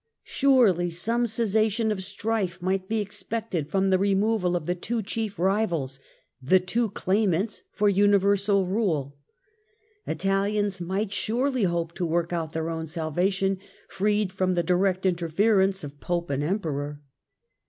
Surely some cessation of strife might be expected from the removal of the two chief rivals, the two claimants for universal rule ; Italians might surely hope to work out their own salvation freed from direct interference of Pope and Emperor.